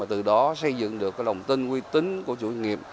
từ đó xây dựng được lòng tin quy tính của chủ doanh nghiệp